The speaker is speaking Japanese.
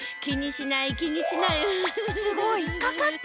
気にしない気にしない。